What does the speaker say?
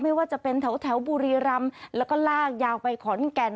ไม่ว่าจะเป็นแถวบุรีรำแล้วก็ลากยาวไปขอนแก่น